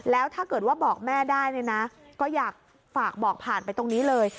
แล้วถ้าเกิดว่าบอกแม่ได้เนี่ยนะก็อยากฝากบอกผ่านไปตรงนี้เลย